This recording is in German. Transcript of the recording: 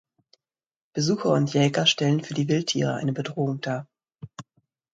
Besucher und Jäger stellen für die Wildtiere eine Bedrohung dar.